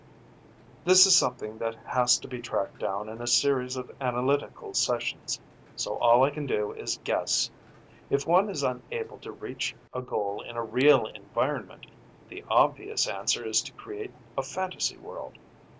"This is something that has to be tracked down in a series of analytical sessions, so all I can do is guess. If one is unable to reach a goal in a real environment, the obvious answer is to create a fantasy world.